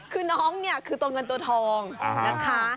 คือน้องเนี่ยคือตัวเงินตัวทองนะคะ